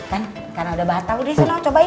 kan karena udah batal disini lo cobain